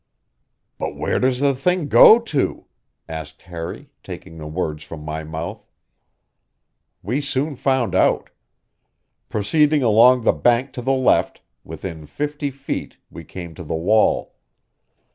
"But where does the thing go to?" asked Harry, taking the words from my mouth. We soon found out. Proceeding along the bank to the left, within fifty feet we came to the wall.